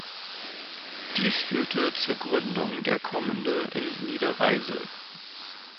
Dies führte zur Gründung der Kommende in Nieder-Weisel.